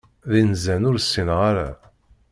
D inzan ur sinneɣ ara.